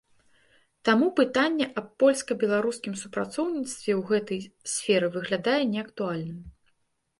Таму пытанне аб польска-беларускім супрацоўніцтве ў гэтай сферы выглядае неактуальным.